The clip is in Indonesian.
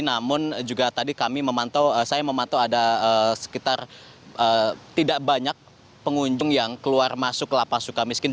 namun juga tadi kami memantau saya memantau ada sekitar tidak banyak pengunjung yang keluar masuk lapas suka miskin